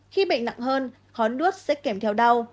khi bệnh nặng hơn khó nuốt sẽ kèm theo đau